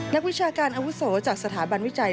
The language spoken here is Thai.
วิชาการอาวุโสจากสถาบันวิจัย